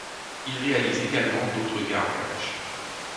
Il réalise également d'autres gares belges.